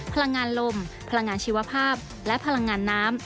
พลังงานลมพลังงานชีวภาพและพลังงานน้ำ